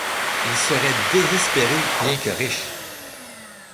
Il serait désespéré, bien que riche.